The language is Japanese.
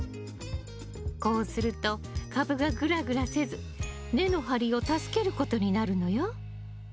こうすると株がぐらぐらせず根の張りを助けることになるのよ。